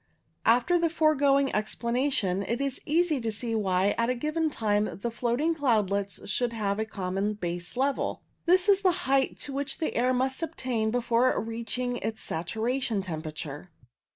After the foregoing explanation, it is easy to see why at a given time the floating cloudlets should have a common base level. This is the height to which the air must attain before reaching its satu ration temperature.